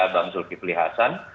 pak md zulfipli hasan